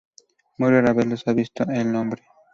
Muy rara vez los ha visto el hombre.